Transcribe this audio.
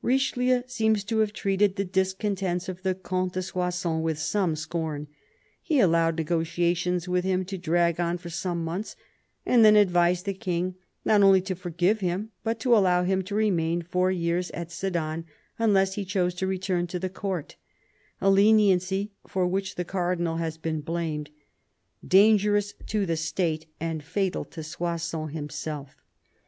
Richelieu seems to have treated, the discontents of the Comte de Soissons with some scorn. He allowed negotiations with him to drag on for some months, and then advised the King not only to forgive him, but to allow him to remain four years at Sedan unless he chose to return to the Court : a leniency for which the Cardinal has been blamed; dangerous to the State and fatal to Soissons himself.